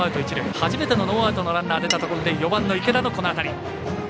初めてのノーアウトのランナーが出たところで４番の池田の当たり。